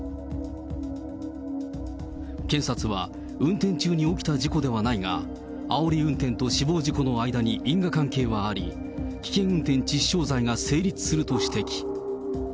検察は運転中に起きた事故ではないが、あおり運転と死亡事故の間に因果関係はあり、危険運転致死傷罪が成立すると指摘。